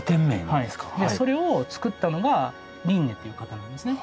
それを作ったのがリンネという方なんですね。